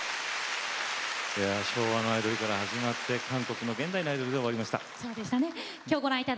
昭和のアイドルから始まって韓国の現代のアイドルで終わりました。